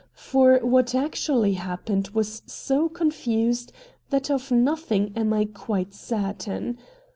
For what actually happened was so confused that of nothing am I quite certain.